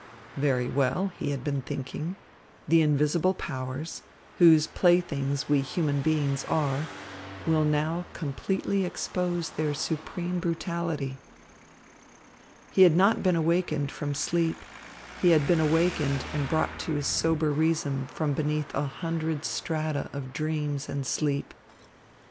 "Very well," he had been thinking, "the invisible powers, whose playthings we human beings are, will now completely expose their supreme brutality." He had not been awakened from sleep; he had been awakened and brought to his sober reason from beneath a hundred strata of dreams and sleep.